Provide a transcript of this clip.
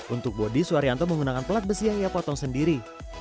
untuk bodi suharyanto menggunakan pelat besi yang ia potong sendiri